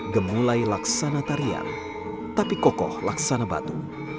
gemulai laksana tarian tapi kokoh laksana batu